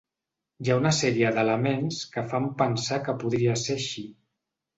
Hi ha una sèrie d’elements que fan pensar que podria ser així.